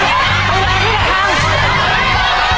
งื่นจ้อยสิ